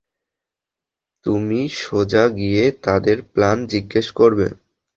তুমি সোজা গিয়ে তাদের প্ল্যান জিজ্ঞেস করবে?